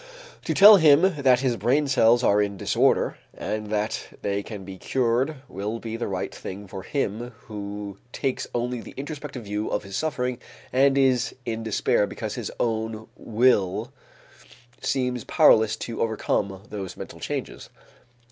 To tell him that his brain cells are in disorder and that they can be cured will be the right thing for him who takes only the introspective view of his suffering and is in despair because his own will seems powerless to overcome those mental changes.